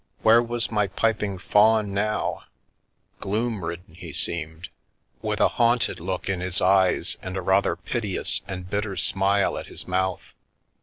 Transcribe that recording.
Where was my piping Faun now? Gloom ridden he seemed, with a haunted look £.~ The Milky Way in his eyes and a rather piteous and bitter smile at his mouth.